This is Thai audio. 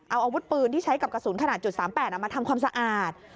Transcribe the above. เอาอาวุธปืนที่ใช้กับกระสุนขนาด๓๘มาทำความสะอาด